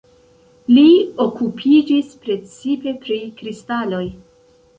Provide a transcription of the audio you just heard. Li okupiĝis precipe pri kristaloj.